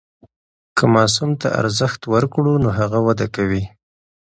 که ماسوم ته ارزښت ورکړو نو هغه وده کوي.